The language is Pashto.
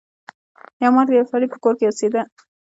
یو مار د یو سړي په کور کې اوسیده.